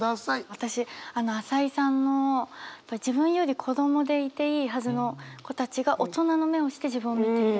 私朝井さんの自分より子どもでいていいはずの子たちが大人の目をして自分を見ている。